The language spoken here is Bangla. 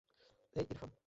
এই, ইরফান।